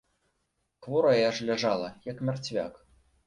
Хворая ж ляжала, як мярцвяк.